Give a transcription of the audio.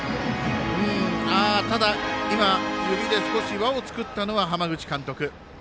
ただ指で少し輪を作ったのは浜口監督。